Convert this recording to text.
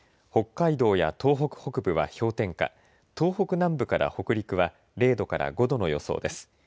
北海道や東北北部は氷点下東北南部から北陸は０度から５度の予想です。